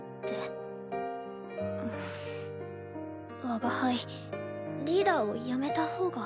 我が輩リーダーをやめた方が。